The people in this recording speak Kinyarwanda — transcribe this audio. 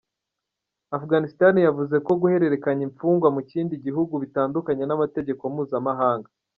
Afghanistan yavuze ko guhererekanya imfungwa mu kindi gihugu bitandukanye n’amategeko mpuzamahanga.